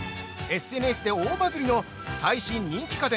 ＳＮＳで大バズりの、最新人気家電